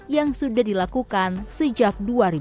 yang sudah dilakukan sejak dua ribu dua